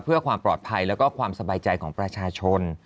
เพื่อความปลอดภัยแล้วก็ความสบายใจของประชาชน